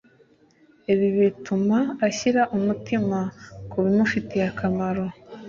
ibi bituma ashyira umutima ku bimufitiye akamaro